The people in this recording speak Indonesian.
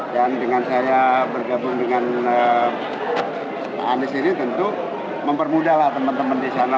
dan dengan saya bergabung dengan pak anies ini tentu mempermudahlah teman teman di sana